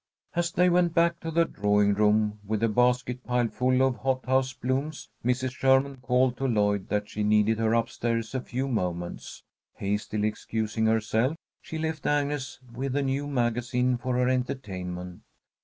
As they went back to the drawing room with a basket piled full of hothouse blooms, Mrs. Sherman called to Lloyd that she needed her up stairs a few moments. Hastily excusing herself, she left Agnes with a new magazine for her entertainment.